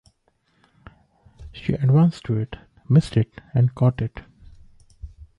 She advanced to it, missed it, and caught it.